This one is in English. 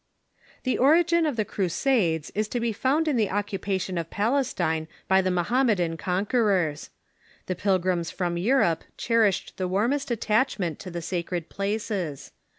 ] The origin of the Crusades is to be found in tlie occupation of Palestine by the Mohammedan conquerors. The pilgrims from Europe cherished the warmest attachment to the sacred places.